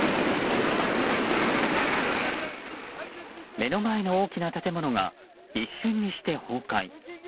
目の前の大きな建物が一瞬にして崩壊。